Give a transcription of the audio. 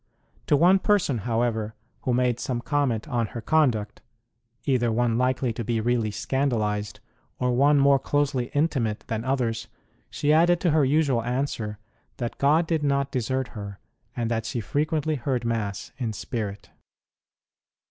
To one person, however, who made some comment on her conduct either one likely to be really scandalized, or one more closely intimate than others she added to her usual answer that God did not desert her, and that she frequently heard Mass in spirit.